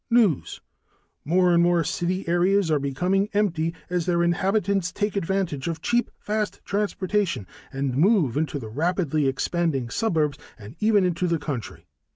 News: More and more city areas are becoming empty as their inhabitants take advantage of cheap, fast transportation and move into the rapidly expanding suburbs and even into the country.